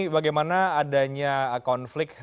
bagaimana adanya konflik